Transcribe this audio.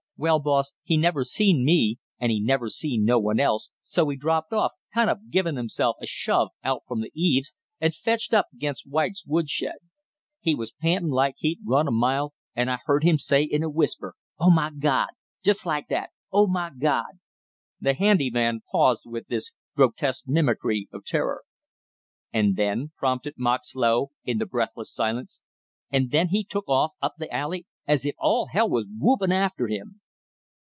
Well, boss, he never seen me, and he never seen no one else, so he dropped off, kind of givin' himself a shove out from the eaves, and fetched up against White's woodshed. He was pantin' like he'd run a mile, and I heard him say in a whisper, 'Oh, my God!' just like that, 'Oh, my God!'" The handy man paused with this grotesque mimicry of terror. "And then?" prompted Moxlow, in the breathless silence. "And then he took off up the alley as if all hell was whoopin' after him!"